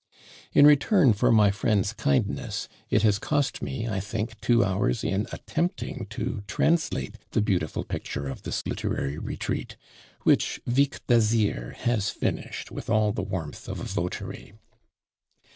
In return for my friend's kindness, it has cost me, I think, two hours in attempting to translate the beautiful picture of this literary retreat, which Vicq d'Azyr has finished with all the warmth of a votary.